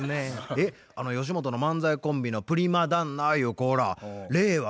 えっあの吉本の漫才コンビのプリマ旦那ゆう子ら令和